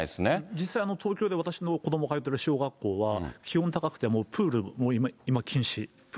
実際、東京で私の子どもが通ってる小学校は、気温高くて、プール、も今、禁止。